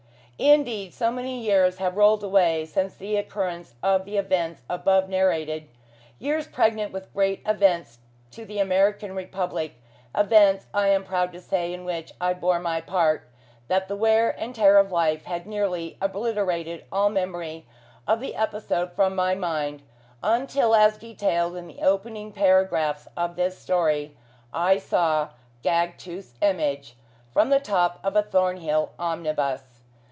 Indeed, so many years have rolled away since the occurrence of the events above narrated; years pregnant with great events to the American Republic; events, I am proud to say, in which I bore my part: that the wear and tear of life had nearly obliterated all memory of the episode from my mind, until, as detailed in the opening paragraphs of this story, I saw "Gagtooth's Image," from the top of a Thornhill omnibus.